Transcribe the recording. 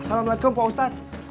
assalamualaikum pak ustadz